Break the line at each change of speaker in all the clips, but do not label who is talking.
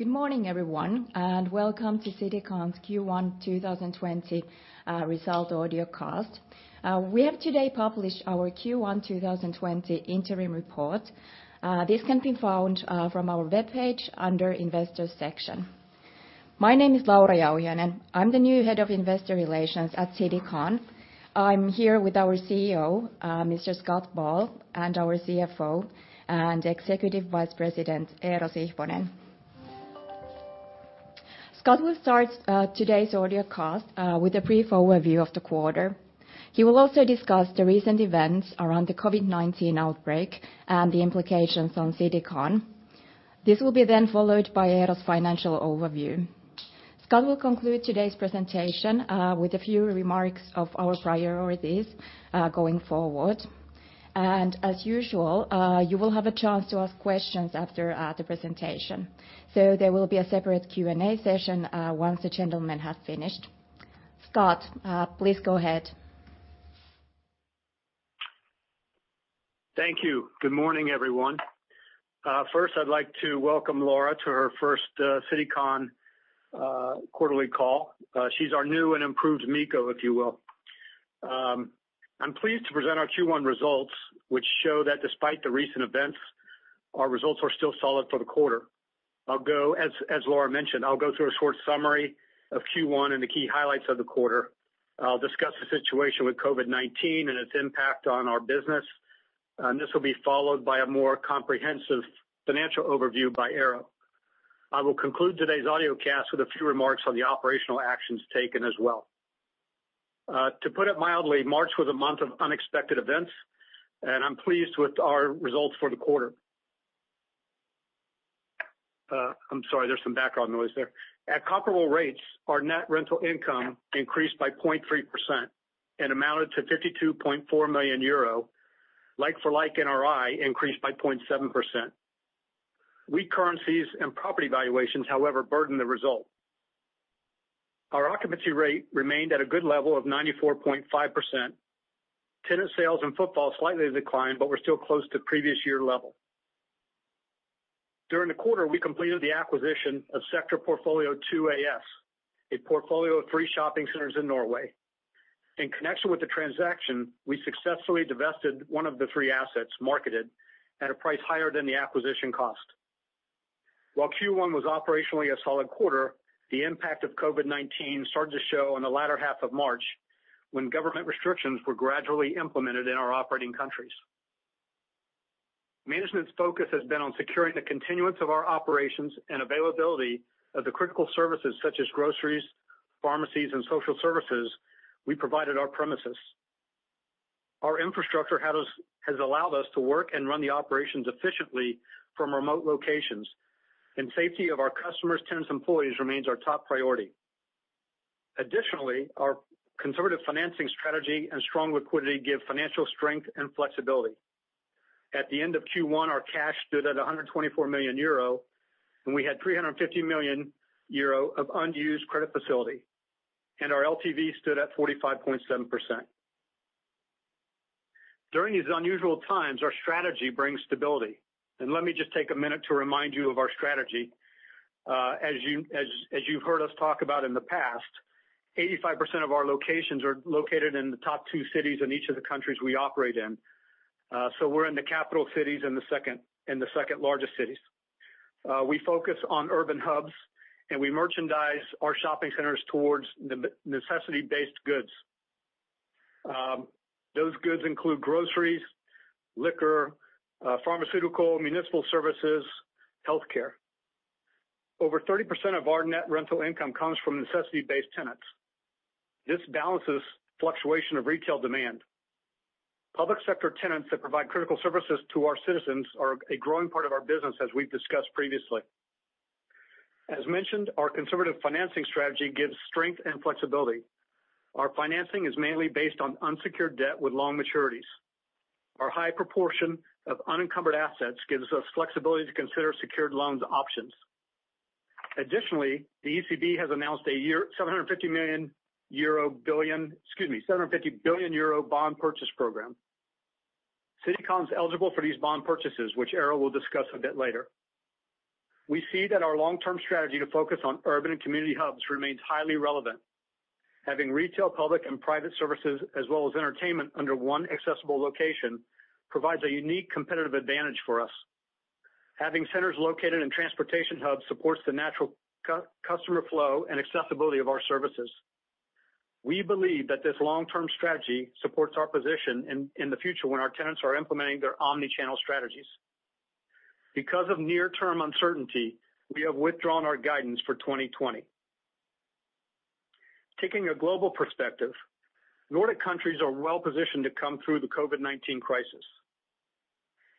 Good morning, everyone, welcome to Citycon's Q1 2020 result audio cast. We have today published our Q1 2020 interim report. This can be found from our webpage under Investors section. My name is Laura Jauhiainen. I'm the new head of investor relations at Citycon. I'm here with our CEO, Mr. Scott Ball, and our CFO and Executive Vice President, Eero Sihvonen. Scott will start today's audio cast with a brief overview of the quarter. He will also discuss the recent events around the COVID-19 outbreak and the implications on Citycon. This will be then followed by Eero's financial overview. Scott will conclude today's presentation with a few remarks of our priorities going forward. As usual, you will have a chance to ask questions after the presentation. There will be a separate Q&A session once the gentlemen have finished. Scott, please go ahead.
Thank you. Good morning, everyone. First, I'd like to welcome Laura to her first Citycon quarterly call. She's our new and improved Mikko, if you will. I'm pleased to present our Q1 results, which show that despite the recent events, our results are still solid for the quarter. As Laura mentioned, I'll go through a short summary of Q1 and the key highlights of the quarter. I'll discuss the situation with COVID-19 and its impact on our business, and this will be followed by a more comprehensive financial overview by Eero. I will conclude today's audio cast with a few remarks on the operational actions taken as well. To put it mildly, March was a month of unexpected events, and I'm pleased with our results for the quarter. I'm sorry, there's some background noise there. At comparable rates, our net rental income increased by 0.3% and amounted to 52.4 million euro. Like-for-like NRI increased by 0.7%. Weak currencies and property valuations, however, burdened the result. Our occupancy rate remained at a good level of 94.5%. Tenant sales and footfall slightly declined, but were still close to previous year level. During the quarter, we completed the acquisition of Sector Portfolio 2 AS, a portfolio of three shopping centers in Norway. In connection with the transaction, we successfully divested one of the three assets marketed at a price higher than the acquisition cost. While Q1 was operationally a solid quarter, the impact of COVID-19 started to show in the latter half of March, when government restrictions were gradually implemented in our operating countries. Management's focus has been on securing the continuance of our operations and availability of the critical services such as groceries, pharmacies, and social services we provide at our premises. Our infrastructure has allowed us to work and run the operations efficiently from remote locations, and safety of our customers, tenants, employees remains our top priority. Additionally, our conservative financing strategy and strong liquidity give financial strength and flexibility. At the end of Q1, our cash stood at 124 million euro, and we had 350 million euro of unused credit facility, and our LTV stood at 45.7%. During these unusual times, our strategy brings stability, and let me just take a minute to remind you of our strategy. As you've heard us talk about in the past, 85% of our locations are located in the top two cities in each of the countries we operate in. We're in the capital cities and the second largest cities. We focus on urban hubs, and we merchandise our shopping centers towards necessity-based goods. Those goods include groceries, liquor, pharmaceutical, municipal services, healthcare. Over 30% of our net rental income comes from necessity-based tenants. This balances fluctuation of retail demand. Public sector tenants that provide critical services to our citizens are a growing part of our business, as we've discussed previously. As mentioned, our conservative financing strategy gives strength and flexibility. Our financing is mainly based on unsecured debt with long maturities. Our high proportion of unencumbered assets gives us flexibility to consider secured loans options. Additionally, the ECB has announced a EUR 750 billion bond purchase program. Citycon is eligible for these bond purchases, which Eero will discuss a bit later. We see that our long-term strategy to focus on urban and community hubs remains highly relevant. Having retail, public, and private services, as well as entertainment under one accessible location provides a unique competitive advantage for us. Having centers located in transportation hubs supports the natural customer flow and accessibility of our services. We believe that this long-term strategy supports our position in the future when our tenants are implementing their omni-channel strategies. Because of near-term uncertainty, we have withdrawn our guidance for 2020. Taking a global perspective, Nordic countries are well positioned to come through the COVID-19 crisis.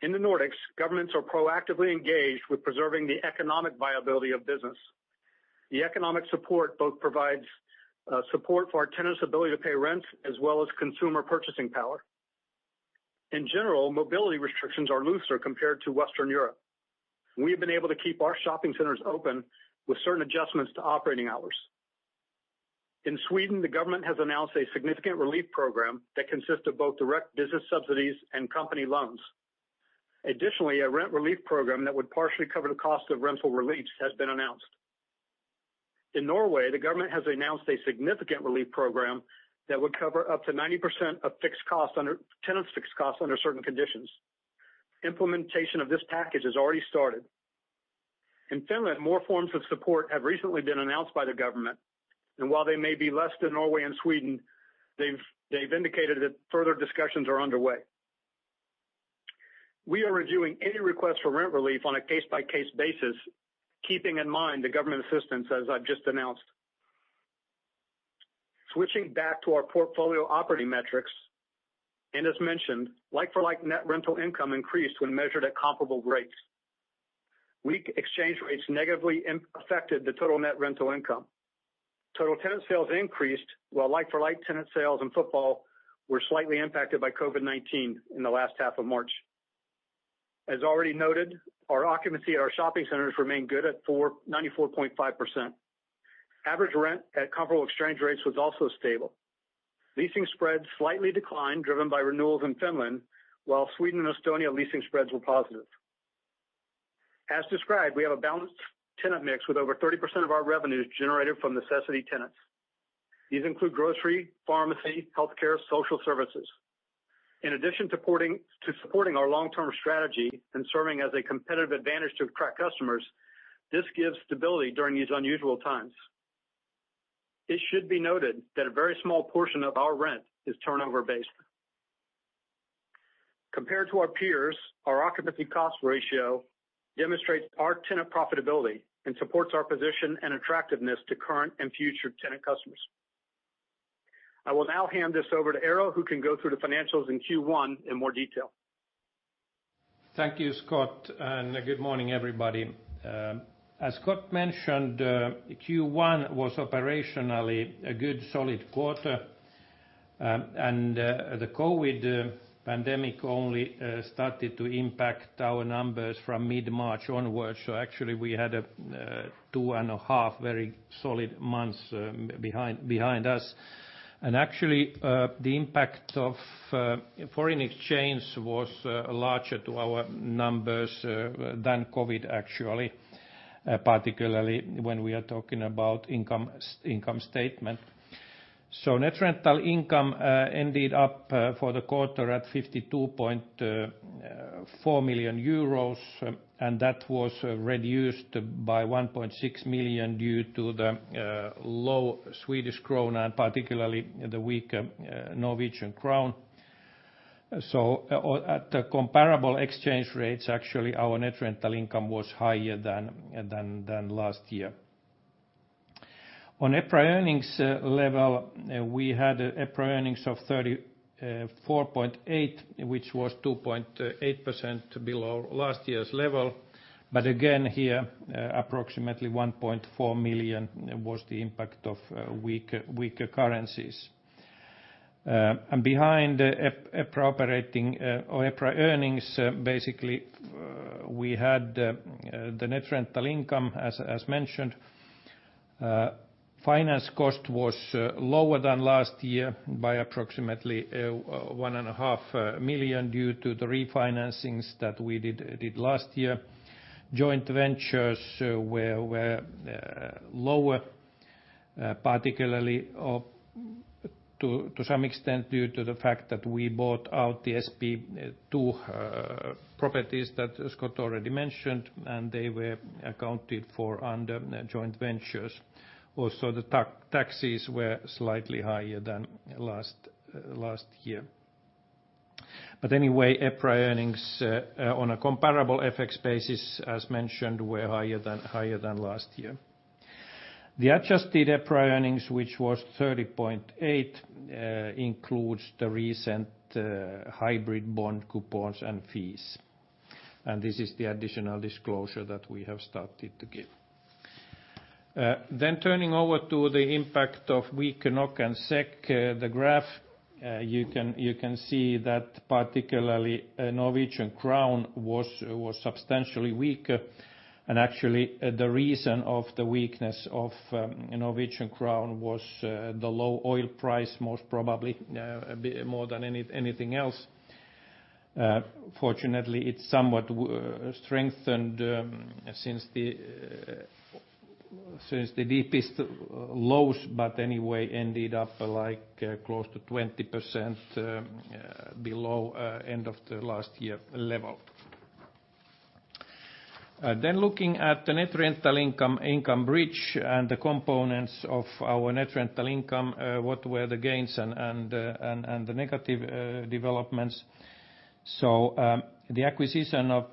In the Nordics, governments are proactively engaged with preserving the economic viability of business. The economic support both provides support for our tenants' ability to pay rent as well as consumer purchasing power. In general, mobility restrictions are looser compared to Western Europe. We have been able to keep our shopping centers open with certain adjustments to operating hours. In Sweden, the government has announced a significant relief program that consists of both direct business subsidies and company loans. Additionally, a rent relief program that would partially cover the cost of rental reliefs has been announced. In Norway, the government has announced a significant relief program that would cover up to 90% of tenant's fixed costs under certain conditions. Implementation of this package has already started. In Finland, more forms of support have recently been announced by the government, and while they may be less than Norway and Sweden, they've indicated that further discussions are underway. We are reviewing any requests for rent relief on a case-by-case basis, keeping in mind the government assistance as I've just announced. Switching back to our portfolio operating metrics, as mentioned, like-for-like net rental income increased when measured at comparable rates. Weak exchange rates negatively affected the total net rental income. Total tenant sales increased while like-for-like tenant sales and footfall were slightly impacted by COVID-19 in the last half of March. As already noted, our occupancy at our shopping centers remain good at 94.5%. Average rent at comparable exchange rates was also stable. Leasing spreads slightly declined, driven by renewals in Finland, while Sweden and Estonia leasing spreads were positive. As described, we have a balanced tenant mix with over 30% of our revenues generated from necessity tenants. These include grocery, pharmacy, healthcare, social services. In addition to supporting our long-term strategy and serving as a competitive advantage to attract customers, this gives stability during these unusual times. It should be noted that a very small portion of our rent is turnover-based. Compared to our peers, our occupancy cost ratio demonstrates our tenant profitability and supports our position and attractiveness to current and future tenant customers. I will now hand this over to Eero, who can go through the financials in Q1 in more detail.
Thank you, Scott. Good morning, everybody. As Scott mentioned, Q1 was operationally a good solid quarter, and the COVID pandemic only started to impact our numbers from mid-March onwards. Actually, we had two and a half very solid months behind us. Actually, the impact of foreign exchange was larger to our numbers than COVID actually, particularly when we are talking about income statement. Net rental income ended up for the quarter at 52.4 million euros, and that was reduced by 1.6 million due to the low SEK and particularly the weak NOK. At the comparable exchange rates, actually, our net rental income was higher than last year. On EPRA earnings level, we had EPRA earnings of 34.8 million, which was 2.8% below last year's level. Again, here, approximately 1.4 million was the impact of weaker currencies. Behind EPRA earnings, basically, we had the net rental income as mentioned. Finance cost was lower than last year by approximately 1.5 million due to the refinancings that we did last year. Joint ventures were lower, particularly to some extent due to the fact that we bought out the SP2 properties that Scott already mentioned, and they were accounted for under joint ventures. The taxes were slightly higher than last year. Anyway, EPRA earnings on a comparable FX basis, as mentioned, were higher than last year. The adjusted EPRA earnings, which was 30.8, includes the recent hybrid bond coupons and fees. This is the additional disclosure that we have started to give. Turning over to the impact of weak NOK and SEK. The graph, you can see that particularly Norwegian crown was substantially weaker. Actually, the reason of the weakness of Norwegian crown was the low oil price, most probably more than anything else. Fortunately, it somewhat strengthened since the deepest lows, but anyway, ended up close to 20% below end of the last year level. Looking at the net rental income bridge and the components of our net rental income, what were the gains and the negative developments. The acquisition of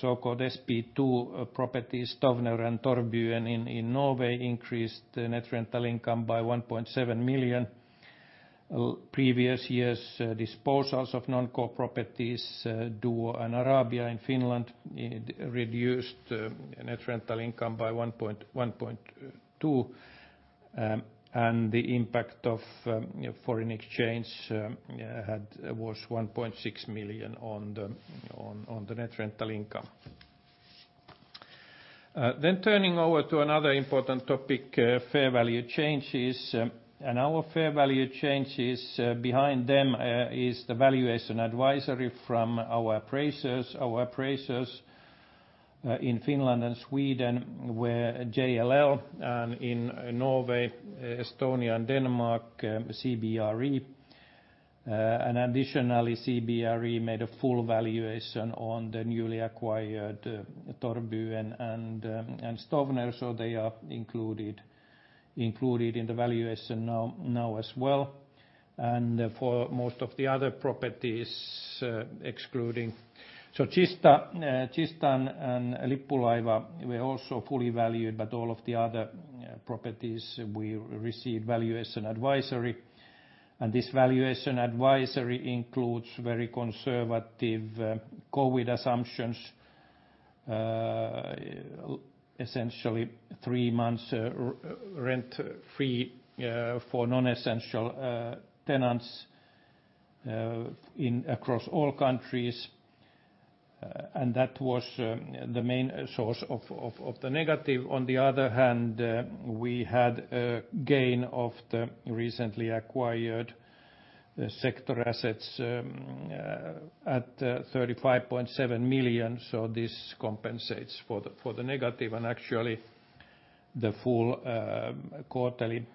so-called SP2 properties, Stovner and Torvbyen in Norway increased net rental income by 1.7 million. Previous years' disposals of non-core properties, Duo and Arabia in Finland, reduced net rental income by 1.2 million. The impact of foreign exchange was 1.6 million on the net rental income. Turning over to another important topic, fair value changes. Our fair value changes behind them is the valuation advisory from our appraisers. Our appraisers in Finland and Sweden were JLL, and in Norway, Estonia, and Denmark, CBRE. Additionally, CBRE made a full valuation on the newly acquired Torvbyen and Stovner, so they are included in the valuation now as well. For most of the other properties, excluding Kista and Lippulaiva, were also fully valued, but all of the other properties, we received valuation advisory. This valuation advisory includes very conservative COVID assumptions, essentially three months rent-free for non-essential tenants across all countries. That was the main source of the negative. On the other hand, we had a gain of the recently acquired sector assets at 35.7 million. This compensates for the negative. Actually, the full quarterly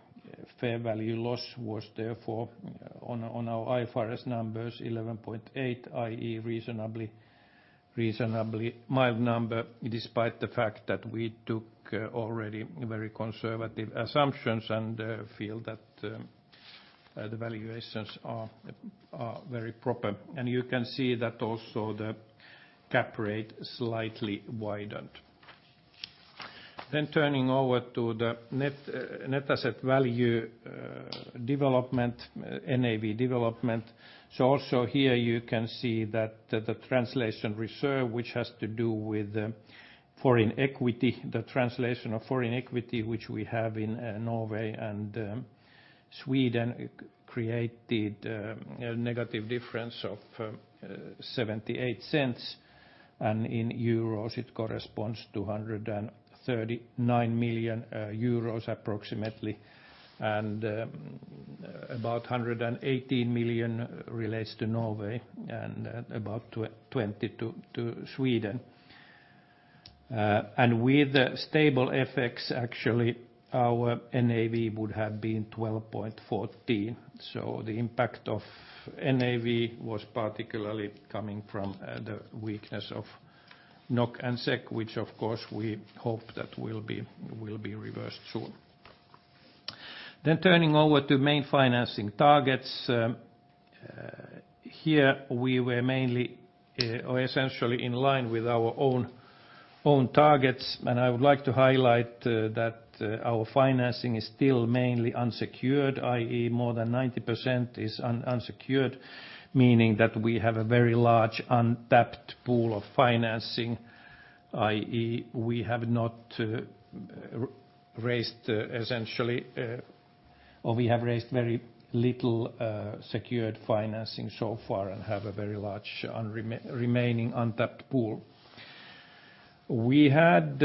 fair value loss was therefore on our IFRS numbers, 11.8, i.e., reasonably mild number, despite the fact that we took already very conservative assumptions and feel that the valuations are very proper. You can see that also the cap rate slightly widened. Turning over to the net asset value development, NAV development. Also here you can see that the translation reserve, which has to do with foreign equity, the translation of foreign equity, which we have in Norway and Sweden, created a negative difference of 0.78, and in euros, it corresponds to 139 million euros approximately, and about 118 million relates to Norway and about 20 to Sweden. With stable FX, actually, our NAV would have been 12.14. The impact of NAV was particularly coming from the weakness of NOK and SEK, which of course, we hope that will be reversed soon. Turning over to main financing targets. Here we were mainly or essentially in line with our own targets. I would like to highlight that our financing is still mainly unsecured, i.e. more than 90% is unsecured, meaning that we have a very large untapped pool of financing, i.e., we have not raised, essentially or we have raised very little secured financing so far and have a very large remaining untapped pool. We had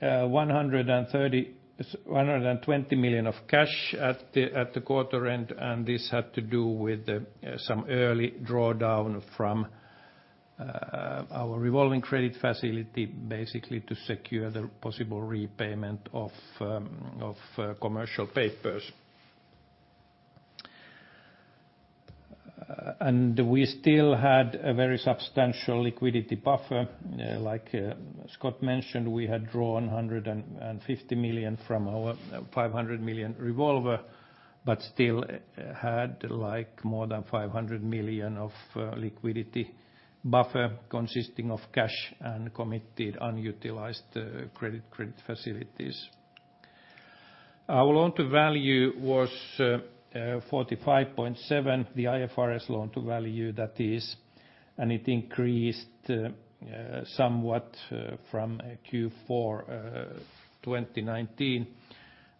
120 million of cash at the quarter end, and this had to do with some early drawdown from our revolving credit facility, basically to secure the possible repayment of commercial papers. We still had a very substantial liquidity buffer. Like Scott mentioned, we had drawn 150 million from our 500 million revolver, but still had more than 500 million of liquidity buffer consisting of cash and committed unutilized credit facilities. Our loan to value was 45.7, the IFRS loan to value that is, and it increased somewhat from Q4 2019.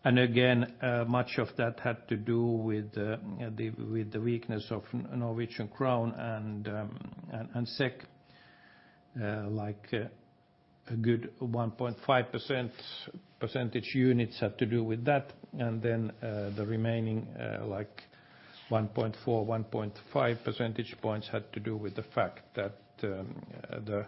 Again, much of that had to do with the weakness of NOK and SEK, a good 1.5 percentage units had to do with that. The remaining 1.4, 1.5 percentage points had to do with the fact that the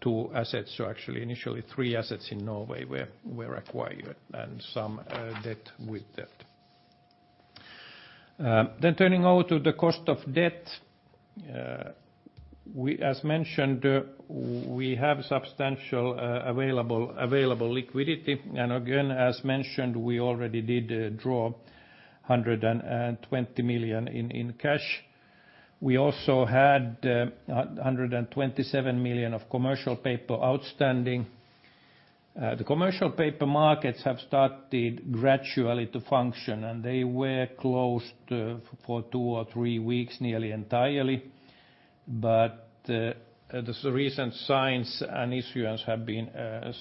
two assets, so actually initially three assets in Norway were acquired and some debt with debt. Turning over to the cost of debt. As mentioned, we have substantial available liquidity. Again, as mentioned, we already did draw 120 million in cash. We also had 127 million of commercial paper outstanding. The commercial paper markets have started gradually to function, and they were closed for two or three weeks nearly entirely. The recent signs and issuance have been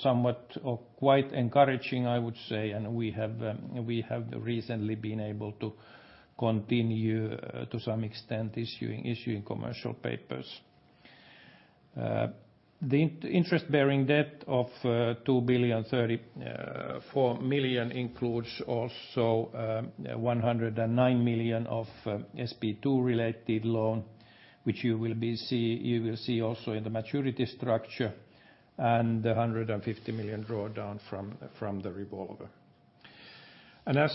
somewhat or quite encouraging, I would say, and we have recently been able to continue to some extent issuing commercial papers. The interest-bearing debt of 2,034 billion, includes also 109 million of SP2 related loan, which you will see also in the maturity structure and 150 million drawdown from the revolver. As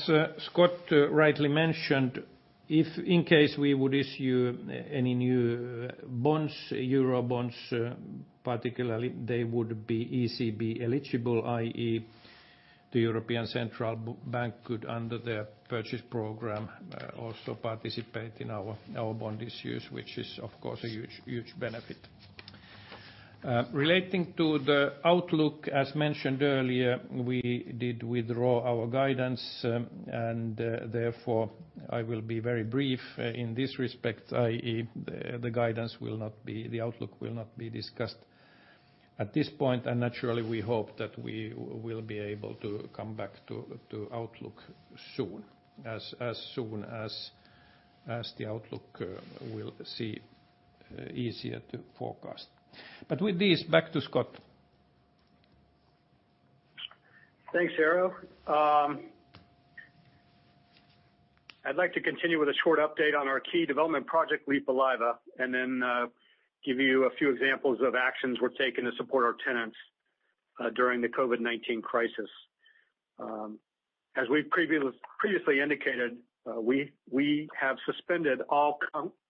Scott rightly mentioned, if in case we would issue any new bonds, euro bonds, particularly, they would be ECB eligible, i.e., the European Central Bank could, under the purchase program, also participate in our bond issues, which is, of course, a huge benefit. Relating to the outlook, as mentioned earlier, we did withdraw our guidance, and therefore I will be very brief in this respect, i.e., the outlook will not be discussed at this point. Naturally, we hope that we will be able to come back to outlook soon, as soon as the outlook we'll see easier to forecast. With this, back to Scott.
Thanks, Eero. I'd like to continue with a short update on our key development project, Leppävaara, and then give you a few examples of actions we're taking to support our tenants during the COVID-19 crisis. As we've previously indicated, we have suspended all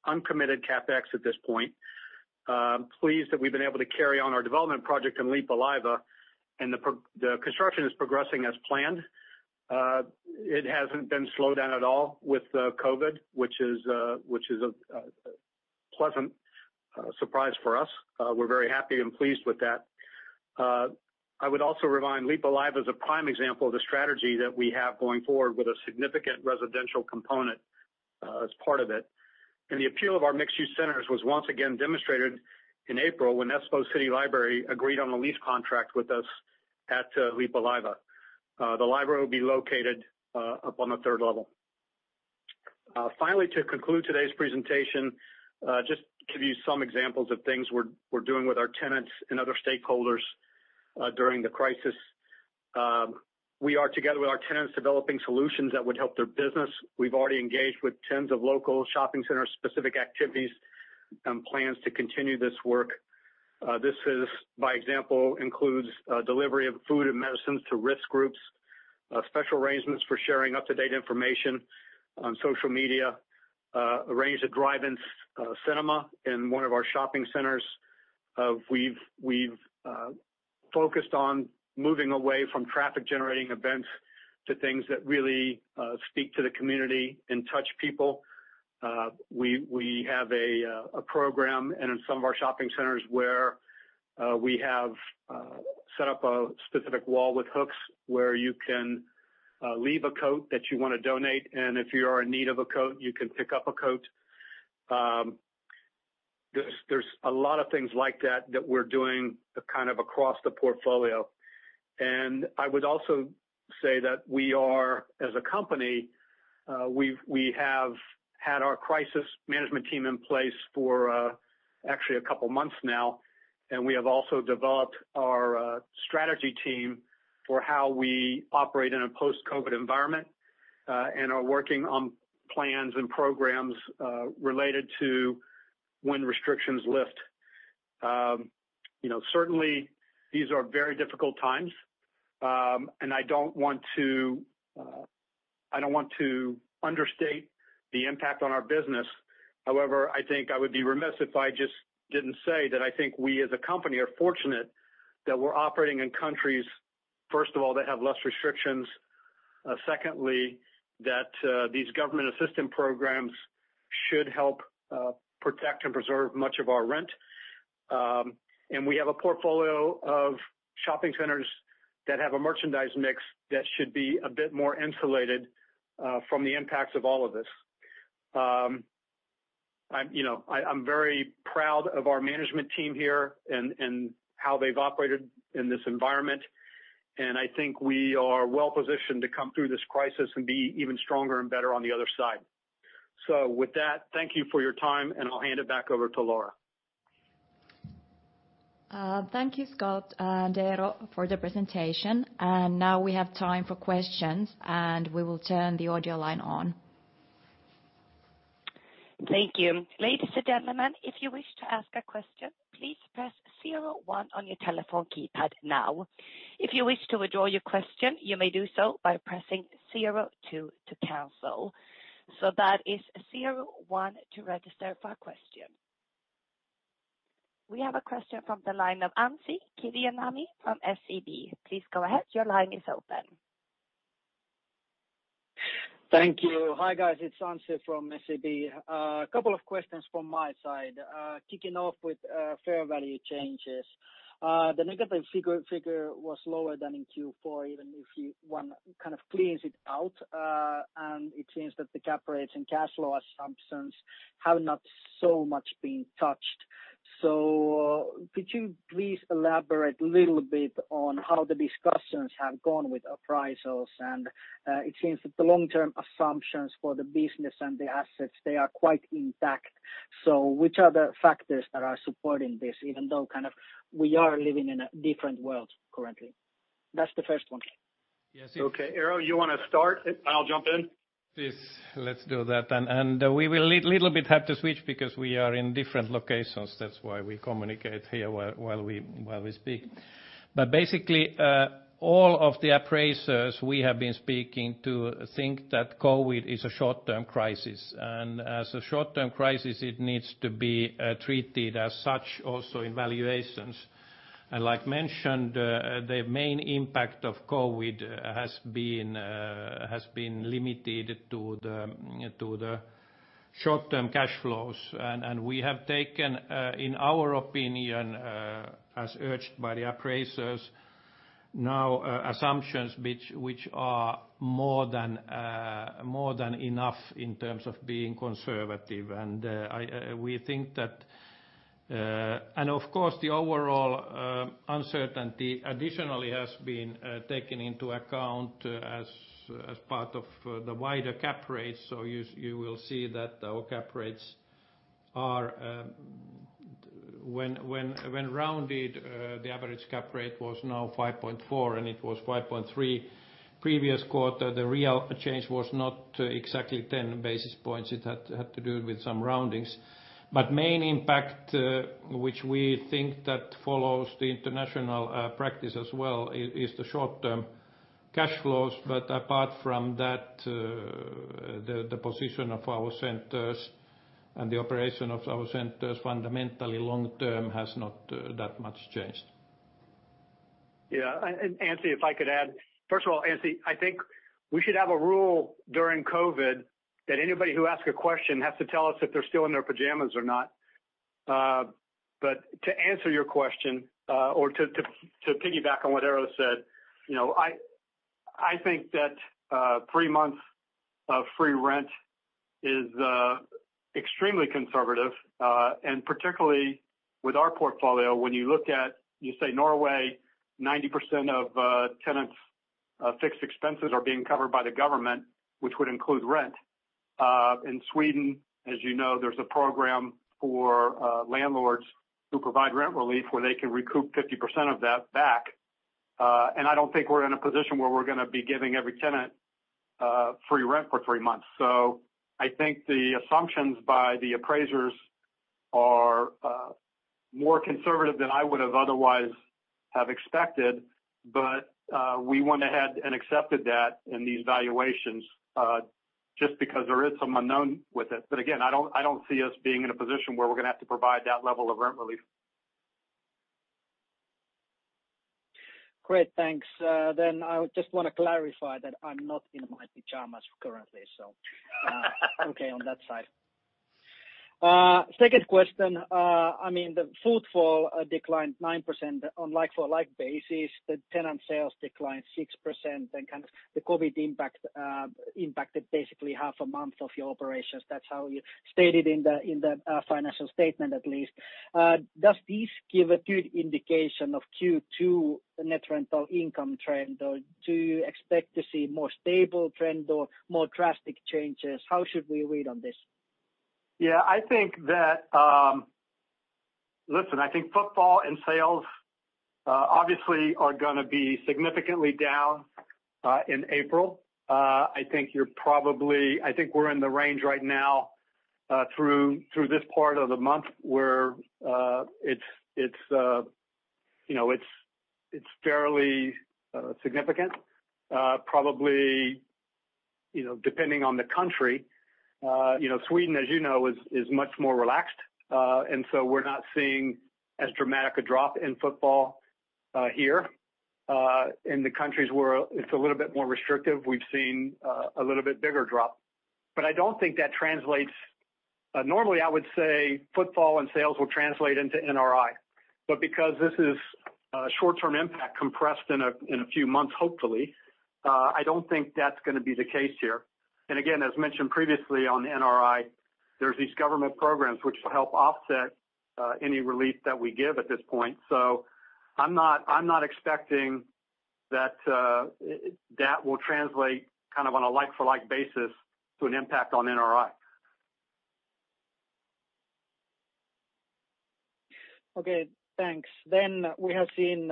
uncommitted CapEx at this point. Pleased that we've been able to carry on our development project in Leppävaara, and the construction is progressing as planned. It hasn't been slowed down at all with COVID, which is a pleasant surprise for us. We're very happy and pleased with that. I would also remind Leppävaara is a prime example of the strategy that we have going forward with a significant residential component as part of it. The appeal of our mixed-use centers was once again demonstrated in April when Espoo City Library agreed on a lease contract with us at Leppävaara. The library will be located up on the third level. Finally, to conclude today's presentation, just to give you some examples of things we're doing with our tenants and other stakeholders during the crisis. We are, together with our tenants, developing solutions that would help their business. We've already engaged with tens of local shopping center-specific activities and plans to continue this work. This, for example, includes delivery of food and medicines to risk groups, special arrangements for sharing up-to-date information on social media, arrange a drive-in cinema in one of our shopping centers. We've focused on moving away from traffic-generating events to things that really speak to the community and touch people. We have a program in some of our shopping centers where we have set up a specific wall with hooks where you can leave a coat that you want to donate, and if you are in need of a coat, you can pick up a coat. There's a lot of things like that that we're doing kind of across the portfolio. I would also say that we are, as a company, we have had our crisis management team in place for actually a couple of months now, and we have also developed our strategy team for how we operate in a post-COVID environment, and are working on plans and programs related to when restrictions lift. Certainly, these are very difficult times. I don't want to understate the impact on our business. However, I think I would be remiss if I just didn't say that I think we, as a company, are fortunate that we're operating in countries, first of all, that have less restrictions. Secondly, that these government assistance programs should help protect and preserve much of our rent. We have a portfolio of shopping centers that have a merchandise mix that should be a bit more insulated from the impacts of all of this. I'm very proud of our management team here and how they've operated in this environment, and I think we are well-positioned to come through this crisis and be even stronger and better on the other side. With that, thank you for your time, and I'll hand it back over to Laura.
Thank you, Scott and Eero, for the presentation. Now we have time for questions, and we will turn the audio line on.
Thank you. Ladies and gentlemen, if you wish to ask a question, please press zero one on your telephone keypad now. If you wish to withdraw your question, you may do so by pressing zero two to cancel. That is zero one to register for a question. We have a question from the line of Anssi Kiviniemi from SEB. Please go ahead. Your line is open.
Thank you. Hi, guys. It's Anssi from SEB. A couple of questions from my side. Kicking off with fair value changes. The negative figure was lower than in Q4, even if one kind of cleans it out. It seems that the cap rates and cash flow assumptions have not so much been touched. Could you please elaborate a little bit on how the discussions have gone with appraisals? It seems that the long-term assumptions for the business and the assets, they are quite intact. Which are the factors that are supporting this, even though kind of we are living in a different world currently? That's the first one. Yes.
Okay. Eero, you want to start? I'll jump in.
Yes, let's do that. We will little bit have to switch because we are in different locations. That's why we communicate here while we speak. Basically, all of the appraisers we have been speaking to think that COVID is a short-term crisis. As a short-term crisis, it needs to be treated as such also in valuations. Like mentioned, the main impact of COVID has been limited to the short-term cash flows. We have taken, in our opinion, as urged by the appraisers, now assumptions which are more than enough in terms of being conservative. Of course, the overall uncertainty additionally has been taken into account as part of the wider cap rates. You will see that our cap rates are, when rounded, the average cap rate was now 5.4, and it was 5.3 previous quarter. The real change was not exactly 10 basis points. It had to do with some roundings. Main impact, which we think that follows the international practice as well, is the short-term cash flows. Apart from that, the position of our centers and the operation of our centers fundamentally long term has not that much changed.
Yeah. Anssi, if I could add, first of all, Anssi, I think we should have a rule during COVID-19 that anybody who asks a question has to tell us if they're still in their pajamas or not. To answer your question, or to piggyback on what Eero said, I think that three months of free rent is extremely conservative. Particularly with our portfolio, when you look at, you say Norway, 90% of tenants' fixed expenses are being covered by the government, which would include rent. In Sweden, as you know, there's a program for landlords who provide rent relief where they can recoup 50% of that back. I don't think we're in a position where we're going to be giving every tenant free rent for three months. I think the assumptions by the appraisers are more conservative than I would have otherwise have expected, but we went ahead and accepted that in these valuations, just because there is some unknown with it. Again, I don't see us being in a position where we're going to have to provide that level of rent relief.
I just want to clarify that I'm not in my pajamas currently, so okay on that side. Second question, the footfall declined 9% on like-for-like basis. The tenant sales declined 6% and kind of the COVID impacted basically half a month of your operations. That's how you stated in the financial statement, at least. Does this give a good indication of Q2 net rental income trend, or do you expect to see more stable trend or more drastic changes? How should we read on this?
Listen, I think footfall and sales obviously are going to be significantly down in April. I think we're in the range right now through this part of the month where it's fairly significant. Probably, depending on the country. Sweden, as you know, is much more relaxed. We're not seeing as dramatic a drop in footfall here. In the countries where it's a little bit more restrictive, we've seen a little bit bigger drop. I don't think that translates. Normally, I would say footfall and sales will translate into NRI. Because this is a short-term impact compressed in a few months, hopefully, I don't think that's going to be the case here. Again, as mentioned previously on NRI, there's these government programs which will help offset any relief that we give at this point. I'm not expecting that that will translate kind of on a like-for-like basis to an impact on NRI.
Okay. Thanks. We have seen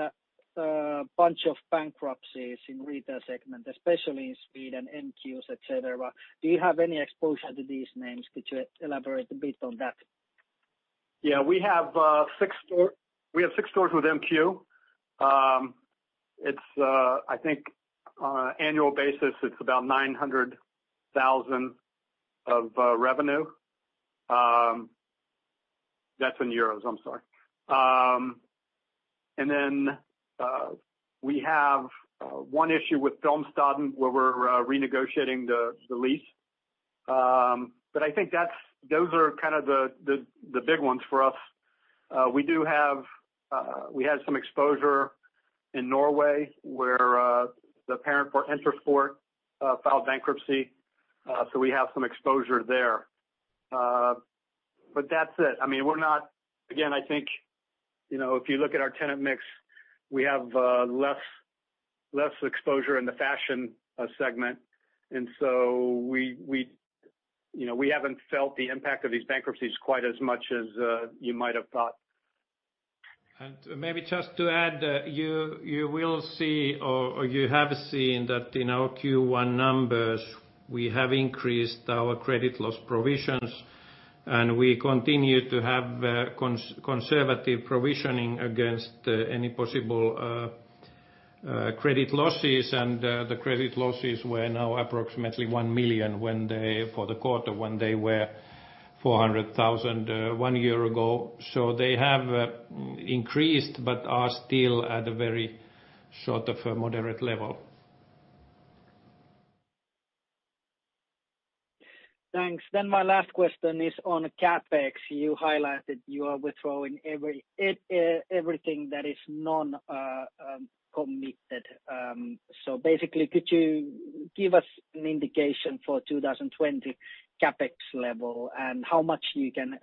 a bunch of bankruptcies in retail segment, especially in Sweden, MQ, et cetera. Do you have any exposure to these names? Could you elaborate a bit on that?
Yeah. We have six stores with MQ. I think on an annual basis, it's about 900,000 of revenue. That's in euros, I'm sorry. We have one issue with Halmstad where we're renegotiating the lease. I think those are kind of the big ones for us. We had some exposure in Norway where the parent for Intersport filed bankruptcy. We have some exposure there. That's it. Again, I think, if you look at our tenant mix, we have less exposure in the fashion segment. We haven't felt the impact of these bankruptcies quite as much as you might have thought.
Maybe just to add, you will see or you have seen that in our Q1 numbers, we have increased our credit loss provisions, and we continue to have conservative provisioning against any possible credit losses. The credit losses were now approximately 1 million for the quarter when they were 400,000 one year ago. They have increased but are still at a very sort of moderate level.
Thanks. My last question is on CapEx. You highlighted you are withdrawing everything that is non-committed. Basically, could you give us an indication for 2020 CapEx level and how much you can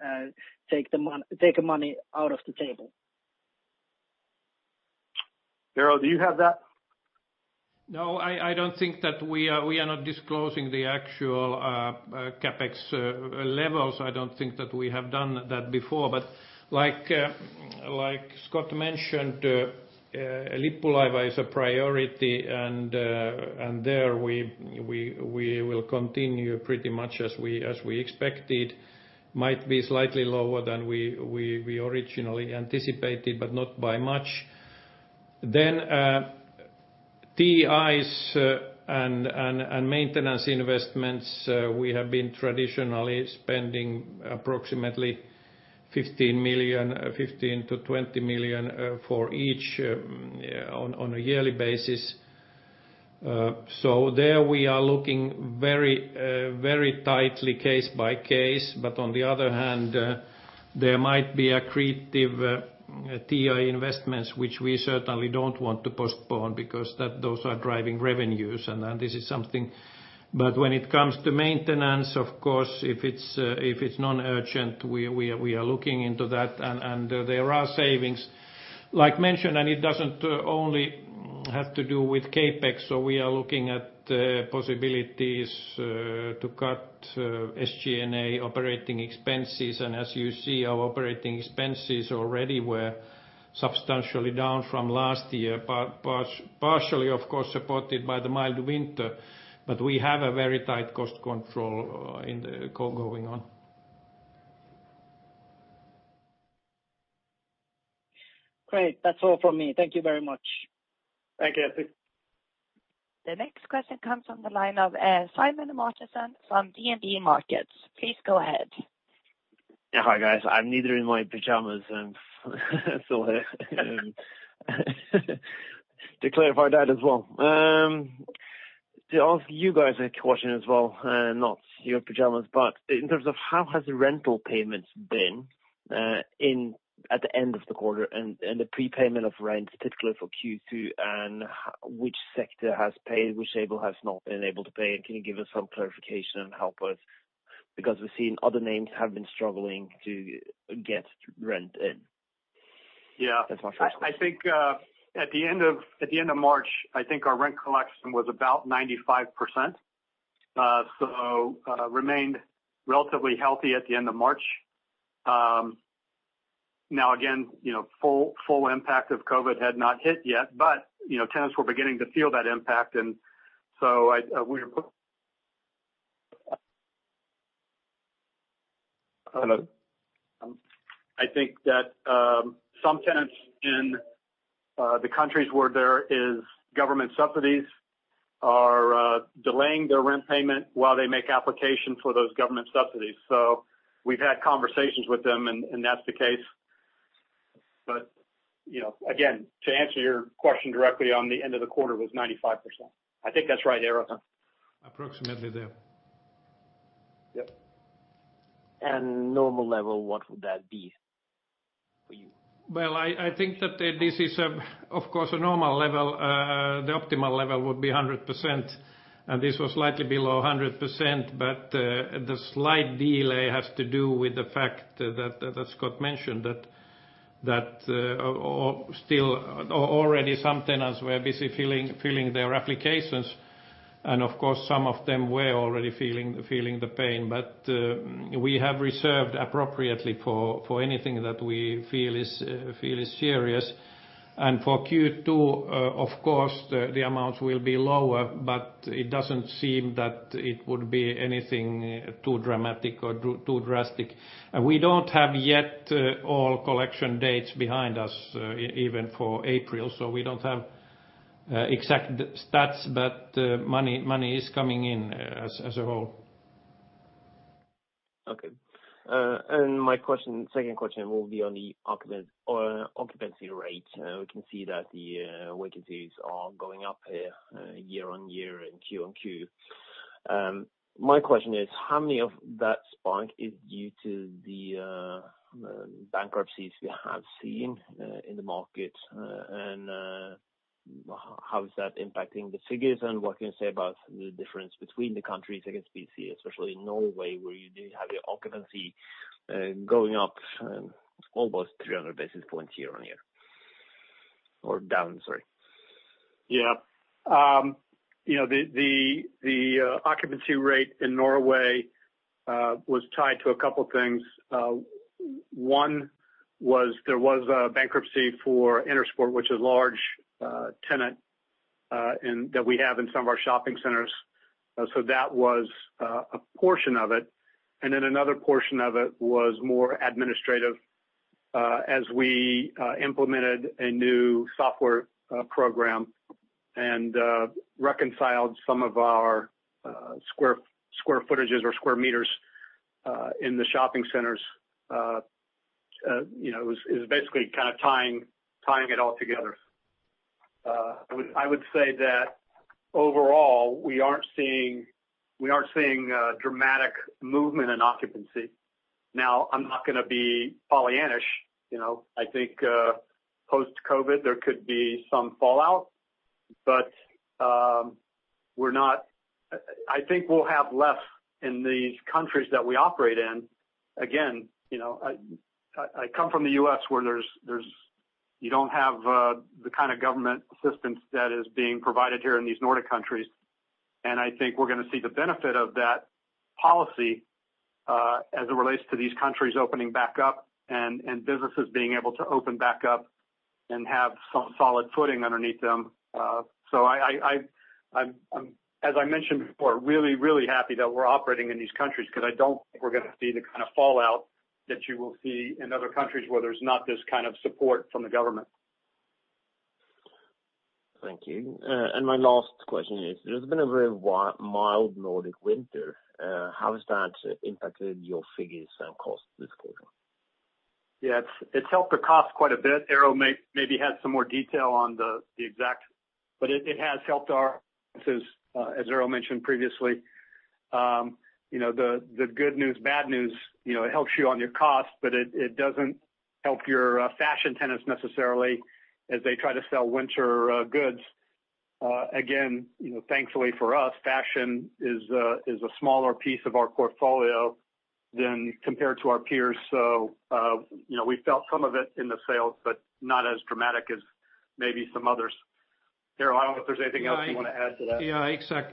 take the money out of the table?
Eero, do you have that?
We are not disclosing the actual CapEx levels. I don't think that we have done that before. Like Scott mentioned, Leppävaara is a priority, and there we will continue pretty much as we expected. Might be slightly lower than we originally anticipated, but not by much. TIs and maintenance investments, we have been traditionally spending approximately 15 million-20 million for each on a yearly basis. There we are looking very tightly case by case, but on the other hand, there might be accretive TI investments which we certainly don't want to postpone because those are driving revenues, and this is something. When it comes to maintenance, of course, if it's non-urgent, we are looking into that, and there are savings. Like mentioned, and it doesn't only have to do with CapEx, so we are looking at possibilities to cut SG&A operating expenses. As you see, our operating expenses already were substantially down from last year, partially, of course, supported by the mild winter, but we have a very tight cost control going on.
Great. That's all from me. Thank you very much.
Thank you, Anssi.
The next question comes from the line of Simon Mathisen from DNB Markets. Please go ahead.
Hi, guys. I'm neither in my pajamas. To clarify that as well. To ask you guys a question as well, not your pajamas, but in terms of how has the rental payments been at the end of the quarter and the prepayment of rent, particularly for Q2, and which sector has paid, which sector has not been able to pay? Can you give us some clarification and help us? Because we've seen other names have been struggling to get rent in.
Yeah.
That's my first question.
At the end of March, I think our rent collection was about 95%, so remained relatively healthy at the end of March. Again, full impact of COVID had not hit yet, but tenants were beginning to feel that impact. I think that some tenants in the countries where there is government subsidies are delaying their rent payment while they make applications for those government subsidies. We've had conversations with them, and that's the case. Again, to answer your question directly on the end of the quarter, it was 95%. I think that's right, Eero.
Approximately there.
Yep.
Normal level, what would that be for you?
Well, I think that this is, of course, a normal level. The optimal level would be 100%, and this was slightly below 100%, but the slight delay has to do with the fact that Scott mentioned that already some tenants were busy filling their applications. Of course, some of them were already feeling the pain. We have reserved appropriately for anything that we feel is serious. For Q2, of course, the amounts will be lower, but it doesn't seem that it would be anything too dramatic or too drastic. We don't have yet all collection dates behind us, even for April, so we don't have exact stats, but money is coming in as a whole.
Okay. My second question will be on the occupancy rate. We can see that the vacancies are going up here year-on-year and Q-on-Q. My question is, how many of that spike is due to the bankruptcies we have seen in the market? How is that impacting the figures? What can you say about the difference between the countries against BC, especially in Norway, where you do have your occupancy going up almost 300 basis points year-on-year? Down, sorry.
Yeah. The occupancy rate in Norway was tied to a couple things. One was there was a bankruptcy for Intersport, which is a large tenant that we have in some of our shopping centers. That was a portion of it. Another portion of it was more administrative, as we implemented a new software program and reconciled some of our square footages or square meters in the shopping centers. It was basically kind of tying it all together. I would say that overall, we aren't seeing dramatic movement in occupancy. I'm not going to be pollyannish. I think post-COVID, there could be some fallout, but I think we'll have less in these countries that we operate in. Again, I come from the U.S. where you don't have the kind of government assistance that is being provided here in these Nordic countries, and I think we're going to see the benefit of that policy as it relates to these countries opening back up and businesses being able to open back up and have some solid footing underneath them. As I mentioned before, really, really happy that we're operating in these countries because I don't think we're going to see the kind of fallout that you will see in other countries where there's not this kind of support from the government.
Thank you. My last question is, there's been a very mild Nordic winter. How has that impacted your figures and costs this quarter?
It's helped the cost quite a bit. Eero maybe has some more detail on the exact, but it has helped our business, as Eero mentioned previously. The good news, bad news, it helps you on your cost, but it doesn't help your fashion tenants necessarily as they try to sell winter goods. Thankfully for us, fashion is a smaller piece of our portfolio than compared to our peers. We felt some of it in the sales, but not as dramatic as maybe some others. Eero, I don't know if there's anything else you want to add to that.
Yeah,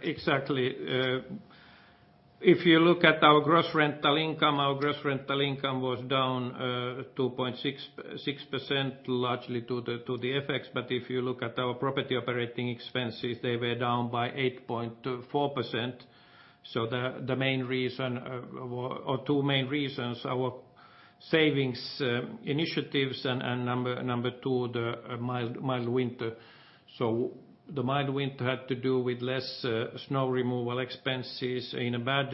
exactly. If you look at our gross rental income, our gross rental income was down 2.6%, largely to the FX. If you look at our property operating expenses, they were down by 8.4%. The main reason or two main reasons, our savings initiatives, and number two, the mild winter. The mild winter had to do with less snow removal expenses. In a bad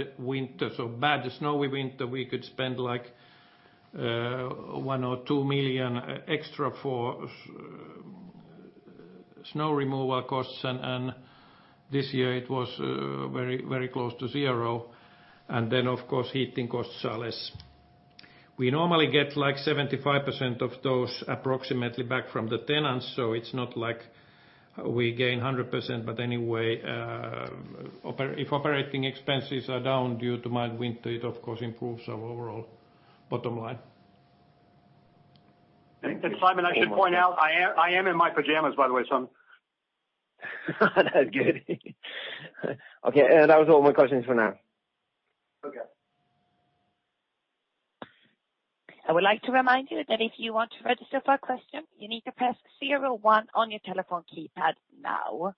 snowy winter, we could spend like one or two million extra for snow removal costs, and this year it was very close to zero. Then of course, heating costs are less. We normally get like 75% of those approximately back from the tenants. It's not like we gain 100%, but anyway if operating expenses are down due to mild winter, it of course improves our overall bottom line.
Simon, I should point out I am in my pajamas, by the way.
That's good. Okay, that was all my questions for now.
Okay.
I would like to remind you that if you want to register for a question, you need to press zero one on your telephone keypad now.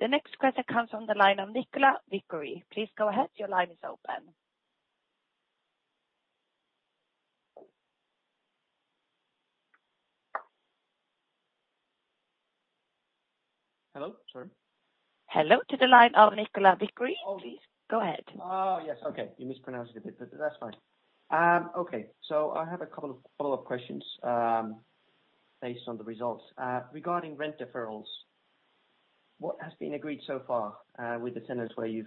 The next question comes from the line of Nicola Vickery. Please go ahead. Your line is open.
Hello? Sorry.
Hello to the line of Nicola Vickery. Please go ahead.
Oh, yes. Okay. You mispronounced it a bit, but that's fine. Okay, I have a couple of follow-up questions based on the results. Regarding rent deferrals, what has been agreed so far with the tenants where you've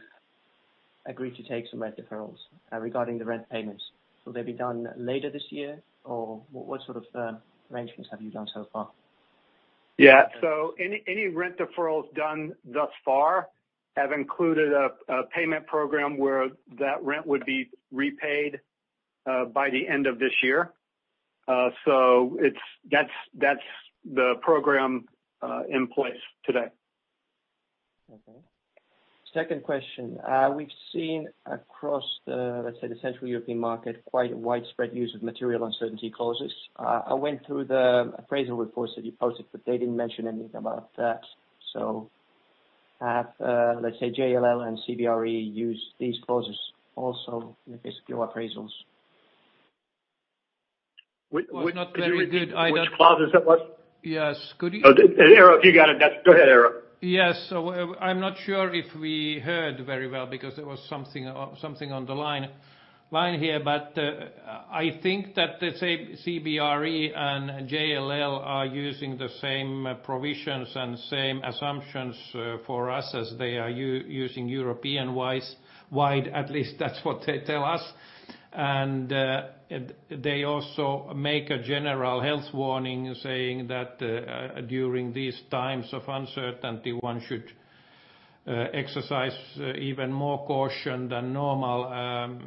agreed to take some rent deferrals regarding the rent payments? Will they be done later this year, or what sort of arrangements have you done so far?
Yeah. Any rent deferrals done thus far have included a payment program where that rent would be repaid by the end of this year. That's the program in place today.
Okay. Second question. We've seen across the, let's say, the Central European market, quite widespread use of material uncertainty clauses. I went through the appraisal reports that you posted, they didn't mention anything about that. Have, let's say JLL and CBRE use these clauses also in basically your appraisals?
Which clauses? That was.
Yes.
Eero, if you got it. Go ahead, Eero.
Yes. I'm not sure if we heard very well because there was something on the line here, but I think that let's say CBRE and JLL are using the same provisions and same assumptions for us as they are using European-wide. At least that's what they tell us. They also make a general health warning saying that during these times of uncertainty, one should exercise even more caution than normal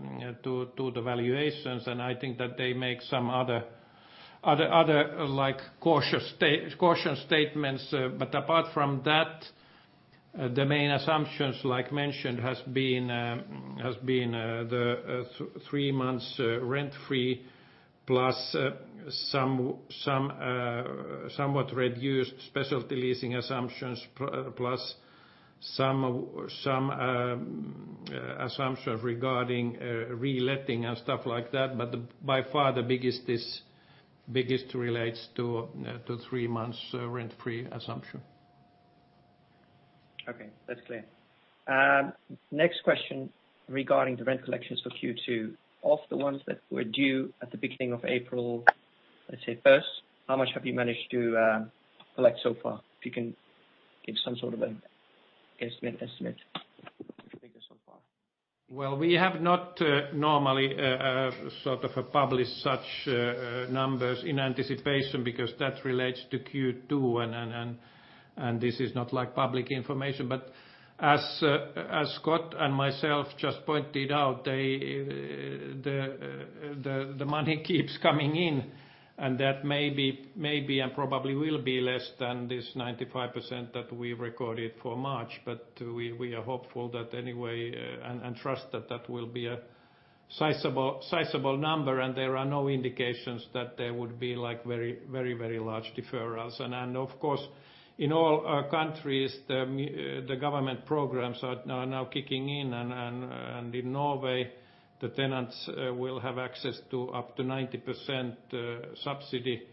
to the valuations. I think that they make some other cautious statements. Apart from that, the main assumptions, like mentioned, has been the three months rent-free, plus somewhat reduced specialty leasing assumptions, plus some assumptions regarding reletting and stuff like that. By far, the biggest relates to three months rent-free assumption.
That's clear. Next question regarding the rent collections for Q2. Of the ones that were due at the beginning of April, let's say first, how much have you managed to collect so far? If you can give some sort of an estimate of the figure so far.
We have not normally sort of published such numbers in anticipation because that relates to Q2, and this is not public information. As Scott and myself just pointed out, the money keeps coming in, and that may be and probably will be less than this 95% that we recorded for March. We are hopeful that anyway, and trust that that will be a sizable number, and there are no indications that there would be very large deferrals. Of course, in all our countries, the government programs are now kicking in. In Norway, the tenants will have access to up to 90% subsidy.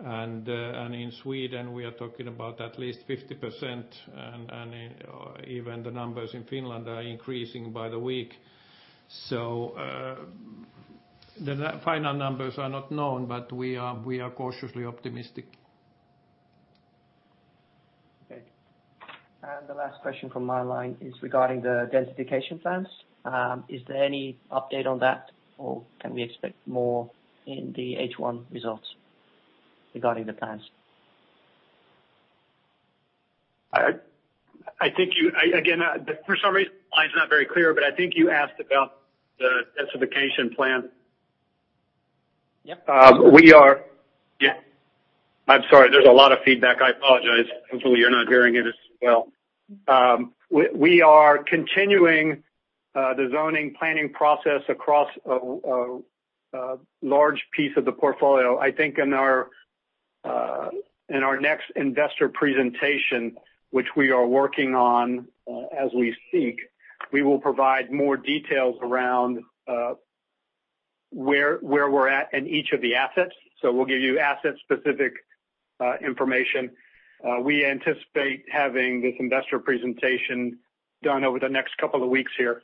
In Sweden, we are talking about at least 50%, and even the numbers in Finland are increasing by the week. The final numbers are not known, but we are cautiously optimistic.
Okay. The last question from my line is regarding the densification plans. Is there any update on that, or can we expect more in the H1 results regarding the plans?
Again, for some reason, the line's not very clear, but I think you asked about the densification plan.
Yep.
I'm sorry. There's a lot of feedback. I apologize. Hopefully, you're not hearing it as well. We are continuing the zoning planning process across a large piece of the portfolio. I think in our next investor presentation, which we are working on as we speak, we will provide more details around where we're at in each of the assets. We'll give you asset-specific information. We anticipate having this investor presentation done over the next couple of weeks here.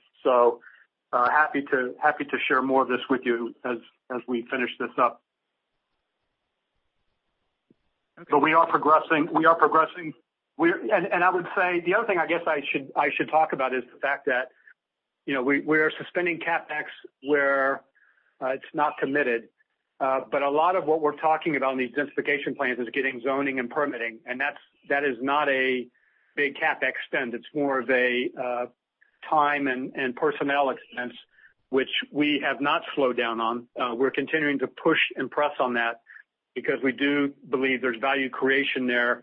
Happy to share more of this with you as we finish this up.
Okay.
We are progressing. I would say the other thing I guess I should talk about is the fact that we are suspending CapEx where it's not committed. A lot of what we're talking about in these densification plans is getting zoning and permitting, and that is not a big CapEx spend. It's more of a time and personnel expense, which we have not slowed down on. We're continuing to push and press on that because we do believe there's value creation there,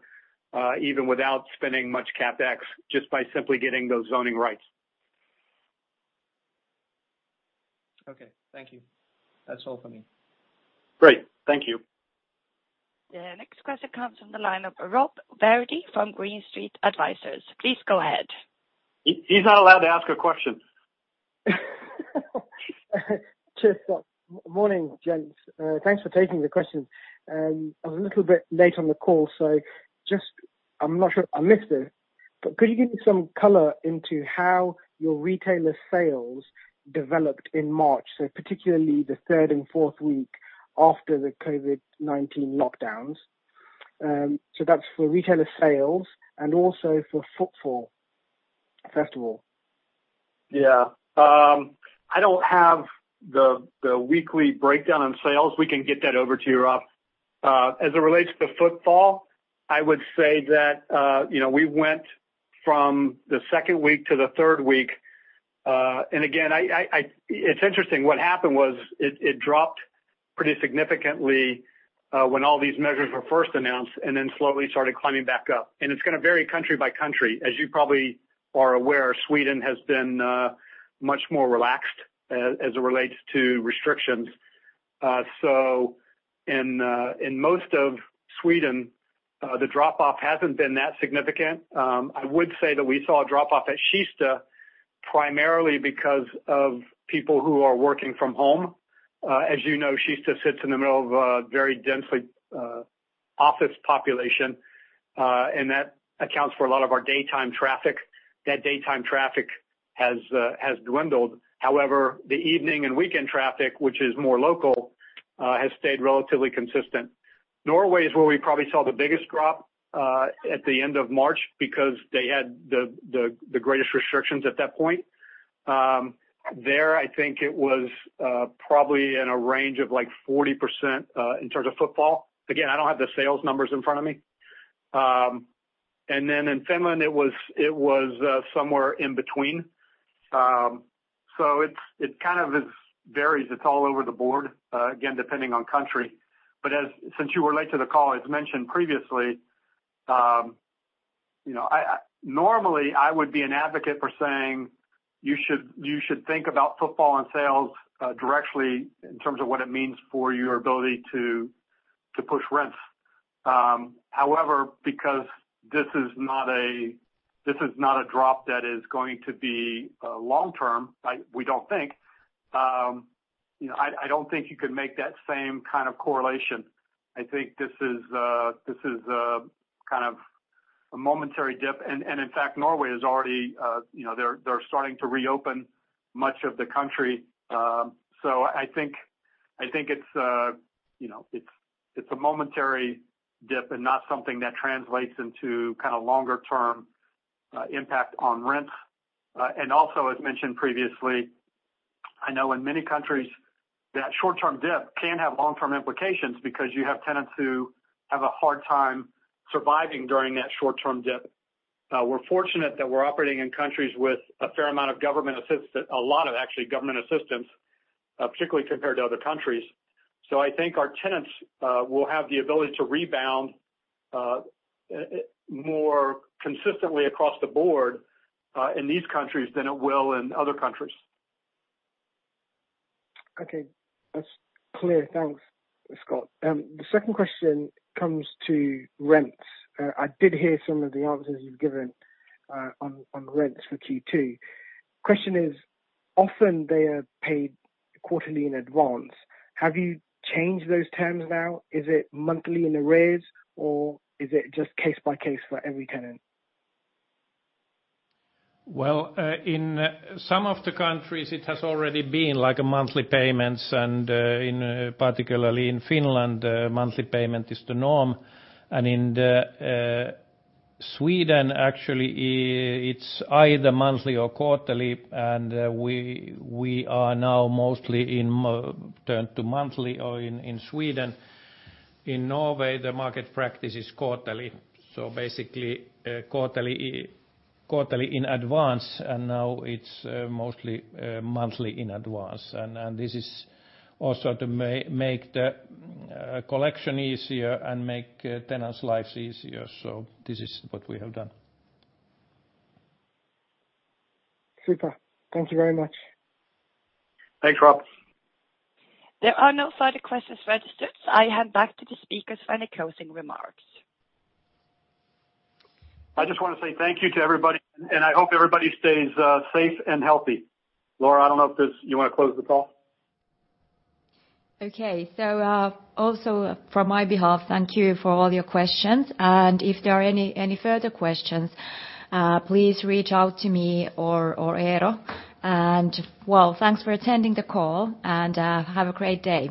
even without spending much CapEx just by simply getting those zoning rights.
Okay. Thank you. That's all for me.
Great. Thank you.
The next question comes from the line of Rob Virdee from Green Street Advisors. Please go ahead.
He's not allowed to ask a question.
Cheers, Scott. Morning, gents. Thanks for taking the question. I was a little bit late on the call, I'm not sure. I missed it. Could you give me some color into how your retailer sales developed in March? Particularly the third and fourth week after the COVID-19 lockdowns. That's for retailer sales and also for footfall, first of all.
Yeah. I don't have the weekly breakdown on sales. We can get that over to you, Rob. As it relates to footfall, I would say that we went from the second week to the third week. Again, it's interesting. What happened was it dropped pretty significantly when all these measures were first announced and then slowly started climbing back up. It's going to vary country by country. As you probably are aware, Sweden has been much more relaxed as it relates to restrictions. In most of Sweden, the drop-off hasn't been that significant. I would say that we saw a drop-off at Kista primarily because of people who are working from home. As you know, Kista sits in the middle of a very dense office population, and that accounts for a lot of our daytime traffic. That daytime traffic has dwindled. However, the evening and weekend traffic, which is more local, has stayed relatively consistent. Norway is where we probably saw the biggest drop at the end of March because they had the greatest restrictions at that point. There, I think it was probably in a range of 40% in terms of footfall. Again, I don't have the sales numbers in front of me. Then in Finland, it was somewhere in between. It kind of varies. It's all over the board, again, depending on country. Since you were late to the call, as mentioned previously, normally I would be an advocate for saying you should think about footfall and sales directly in terms of what it means for your ability to push rents. However, because this is not a drop that is going to be long-term, we don't think, I don't think you could make that same kind of correlation. I think this is a momentary dip, and in fact, Norway, they're starting to reopen much of the country. I think it's a momentary dip and not something that translates into kind of longer-term impact on rents. Also, as mentioned previously, I know in many countries that short-term dip can have long-term implications because you have tenants who have a hard time surviving during that short-term dip. We're fortunate that we're operating in countries with a fair amount of government assistance, a lot of actually government assistance, particularly compared to other countries. I think our tenants will have the ability to rebound more consistently across the board in these countries than it will in other countries.
Okay. That's clear. Thanks, Scott. The second question comes to rents. I did hear some of the answers you've given on rents for Q2. Question is, often they are paid quarterly in advance. Have you changed those terms now? Is it monthly in arrears or is it just case by case for every tenant?
Well, in some of the countries it has already been like monthly payments and particularly in Finland, monthly payment is the norm. In Sweden, actually it's either monthly or quarterly, and we are now mostly turned to monthly in Sweden. In Norway, the market practice is quarterly, so basically quarterly in advance, and now it's mostly monthly in advance. This is also to make the collection easier and make tenants' lives easier. This is what we have done.
Super. Thank you very much.
Thanks, Rob.
There are no further questions registered. I hand back to the speakers for any closing remarks.
I just want to say thank you to everybody, and I hope everybody stays safe and healthy. Laura, I don't know if you want to close the call?
Okay. Also from my behalf, thank you for all your questions. If there are any further questions, please reach out to me or Eero. Well, thanks for attending the call and have a great day.